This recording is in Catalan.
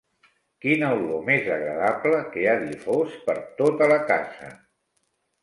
Quina olor més agradable que ha difós per tota la casa!